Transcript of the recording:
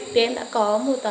vì em đã có một